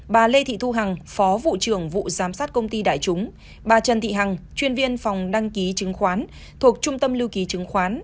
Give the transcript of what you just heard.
bà lê thị thu hằng phó vụ trưởng vụ giám sát công ty đại chúng bà trần thị hằng chuyên viên phòng đăng ký chứng khoán thuộc trung tâm lưu ký chứng khoán